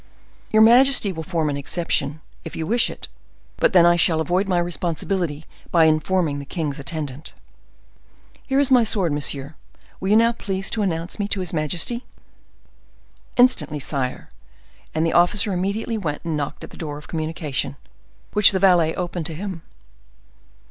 "Your majesty will form an exception, if you wish it; but then I shall avoid my responsibility by informing the king's attendant." "Here is my sword, monsieur. Will you now please to announce me to his majesty?" "Instantly, sire." And the officer immediately went and knocked at the door of communication, which the valet opened to him.